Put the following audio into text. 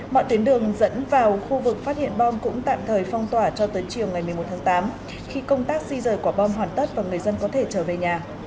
mọi tuyến đường dẫn vào khu vực phát hiện bom cũng tạm thời phong tỏa cho tới chiều ngày một mươi một tháng tám khi công tác di rời quả bom hoàn tất và người dân có thể trở về nhà